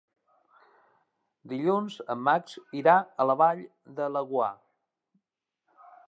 Dilluns en Max irà a la Vall de Laguar.